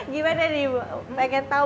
gimana nih bu pengen tahu